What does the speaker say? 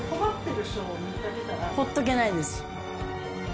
ほっとけないです。